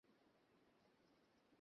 আমি কাউকেই খুন করিনি!